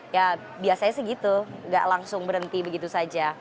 ya biasanya segitu nggak langsung berhenti begitu saja